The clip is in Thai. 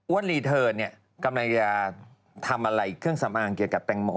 รีเทิร์นกำลังจะทำอะไรเครื่องสำอางเกี่ยวกับแตงโม